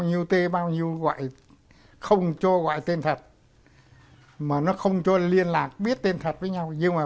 nhiêu t bao nhiêu gọi không cho gọi tên thật mà nó không cho liên lạc biết tên thật với nhau nhưng mà